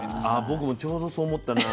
僕もちょうどそう思ったんだ。